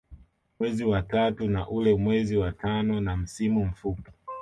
Mwezi wa tatu na ule mwezi wa Tano na msimu mfupi